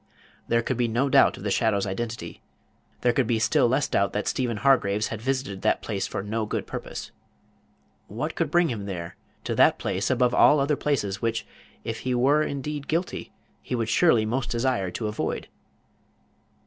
There could be no doubt of the shadow's identity; there could be still less doubt that Stephen Hargraves had visited that place for no good purpose. What could bring him there to that place above all other places, which, if he were indeed guilty, he would surely most desire to avoid?